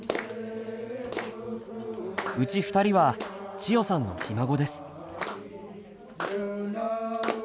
うち２人は千代さんのひ孫です。